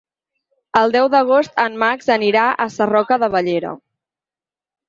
El deu d'agost en Max anirà a Sarroca de Bellera.